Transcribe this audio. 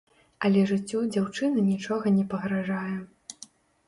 Але жыццю дзяўчыны нічога не пагражае.